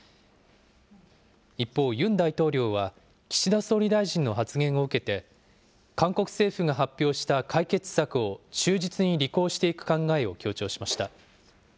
一方、ユン大統領は岸田総理大臣の発言を受けて、韓国政府が発表した解決策を忠実に履行していく考えを強調しました。